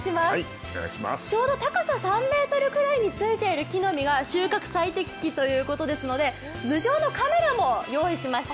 ちょうど高さ３ｍぐらいについている木の実が収穫最適機ということですので頭上のカメラも用意しました。